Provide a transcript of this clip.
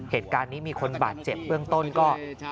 เหตุการณ์นี้มีคนบาดเจ็บเบื้องต้นก็